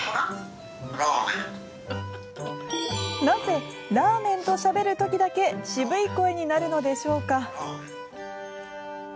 なぜラーメンとしゃべる時だけ渋い声になるのでしょうか。